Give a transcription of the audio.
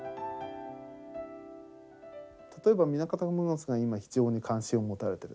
例えば南方熊楠が今非常に関心を持たれてる。